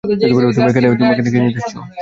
তুমি এখানে কি নিতে এসছো?